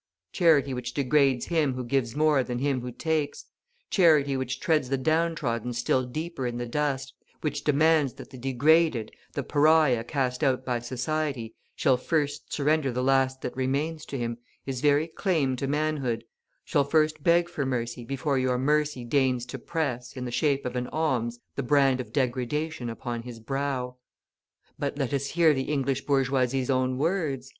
Charity which degrades him who gives more than him who takes; charity which treads the downtrodden still deeper in the dust, which demands that the degraded, the pariah cast out by society, shall first surrender the last that remains to him, his very claim to manhood, shall first beg for mercy before your mercy deigns to press, in the shape of an alms, the brand of degradation upon his brow. But let us hear the English bourgeoisie's own words.